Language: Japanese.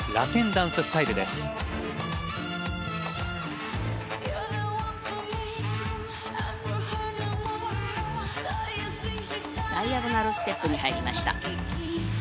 ダイアゴナルステップに入りました。